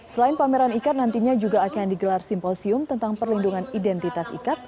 selain pameran ikat nantinya juga akan digelar simposium tentang perlindungan identitas ikat